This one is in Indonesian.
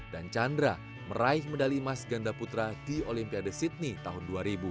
dan chandra meraih medali emas ganda putra di olimpiade sydney tahun dua ribu